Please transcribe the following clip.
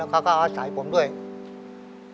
แต่ที่แม่ก็รักลูกมากทั้งสองคน